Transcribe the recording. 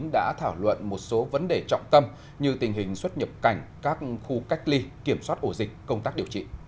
đã thảo luận một số vấn đề trọng tâm như tình hình xuất nhập cảnh các khu cách ly kiểm soát ổ dịch công tác điều trị